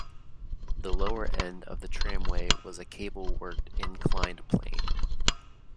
The lower end of the tramway was a cable worked inclined plane.